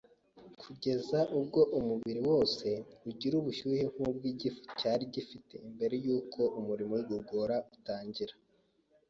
kugeza ubwo umubiri wose ugira ubushyuhe nk’ubwo igifu cyari gifite mbere y’uko umurimo w’igogora utangira